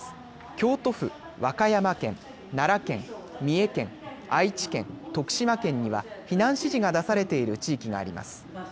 京都府、和歌山県、奈良県、三重県、愛知県、徳島県には避難指示が出されている地域があります。